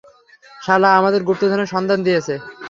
শালা আমাদের গুপ্তধনের সন্ধান দিয়েছে।